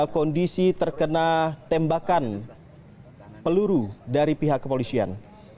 kondisi terkena tembakan peluru dari pihak kepolisian